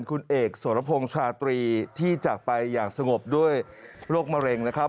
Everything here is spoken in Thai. คุณเอกสรพงศ์ชาตรีที่จากไปอย่างสงบด้วยโรคมะเร็งนะครับ